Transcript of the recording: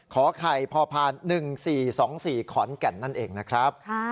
ขอไข่พพาน๑๔๒๔ขอนแก่นนั่นเองนะครับ